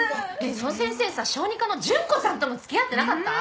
その先生さ小児科のジュンコさんとも付き合ってなかった？